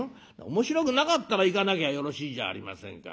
「面白くなかったら行かなきゃよろしいじゃありませんか」。